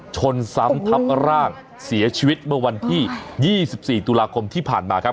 ชนซ้ำทับร่างเสียชีวิตเมื่อวันที่๒๔ตุลาคมที่ผ่านมาครับ